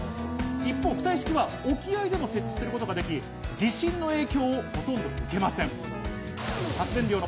一方浮体式は沖合でも設置することができ地震の影響をほとんど受けません。